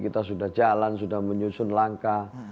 kita sudah jalan sudah menyusun langkah